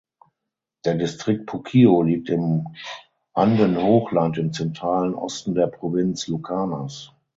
Der Distrikt Puquio liegt im Andenhochland im zentralen Osten der Provinz Lucanas.